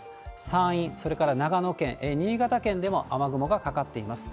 山陰、それから長野県、新潟県でも雨雲がかかっています。